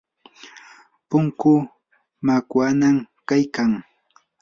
punkuu makwanam kaykan.